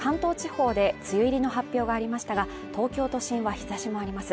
先ほど関東地方で梅雨入りの発表がありましたが、東京都心は日差しもあります。